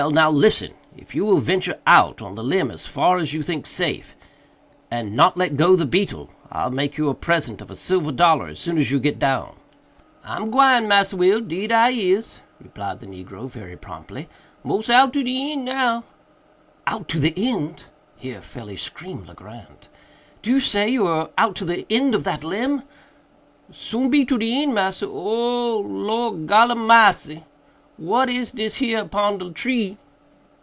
now listen!—if you will venture out on the limb as far as you think safe, and not let go the beetle, I'll make you a present of a silver dollar as soon as you get down." "I'm gwine, Massa Will—deed I is," replied the negro very promptly—"mos out to the eend now." "Out to the end!" here fairly screamed Legrand, "do you say you are out to the end of that limb?" "Soon be to de eend, massa,—o o o o oh! Lor gol a marcy! what is dis here pon de tree?"